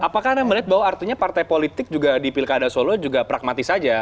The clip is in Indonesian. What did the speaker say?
apakah anda melihat bahwa artinya partai politik juga di pilkada solo juga pragmatis saja